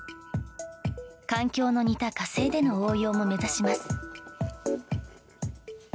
環境の似た火星での応用も目指します。